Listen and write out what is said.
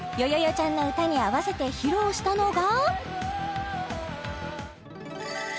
ちゃんの歌に合わせて披露したのが